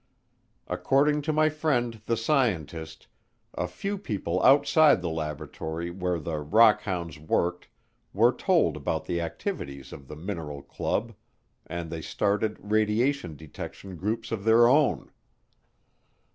According to my friend the scientist, a few people outside the laboratory where the "rock hounds" worked were told about the activities of the "mineral club," and they started radiation detection groups of their own.